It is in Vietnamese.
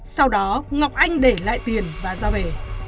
sau đó ngọc anh để lại tiền và ra về